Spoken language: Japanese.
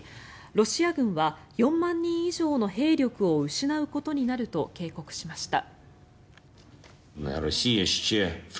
ロシア軍は４万人以上の兵力を失うことになると警告しました。